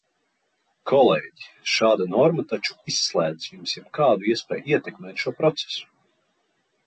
Kolēģi, šāda norma taču izslēdz jums jebkādu iespēju ietekmēt šo procesu!